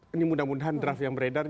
ini mudah mudahan draft yang beredar